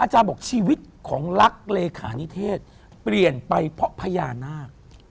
อาจารย์บอกชีวิตของลักษณ์เลขานิเทศเปลี่ยนไปเพราะพญานาค